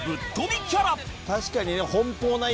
確かにね。